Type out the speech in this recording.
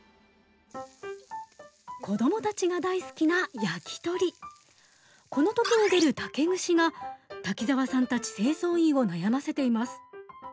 子供たちが大好きなこの時に出る竹串が滝沢さんたち清掃員を悩ませています。